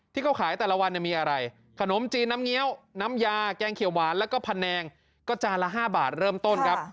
ที่เขาขายแต่ละวันมีอะไรขนมจีนน้ำเงี้ยวน้ำยาแกงเขียวหวานแล้วก็พันแนงก็จานละ๕บาทเริ่มต้นครับ